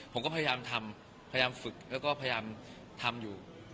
ผมก็พยายามทำพยายามฝึกแล้วก็พยายามทำอยู่